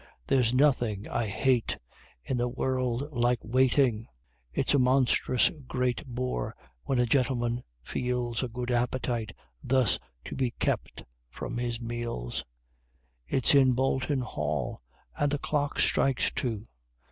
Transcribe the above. There's nothing I hate, in The world, like waiting! It's a monstrous great bore, when a Gentleman feels A good appetite, thus to be kept from his meals!" It's in Bolton Hall, and the clock strikes Two!